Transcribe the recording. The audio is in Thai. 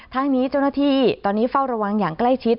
ทั้งนี้เจ้าหน้าที่ตอนนี้เฝ้าระวังอย่างใกล้ชิด